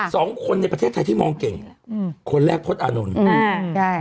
สองคนในประเทศไทยที่มองเก่งอืมคนแรกพลตอานนท์อืมใช่